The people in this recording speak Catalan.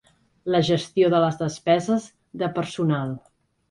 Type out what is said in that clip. La gestió de les despeses de personal.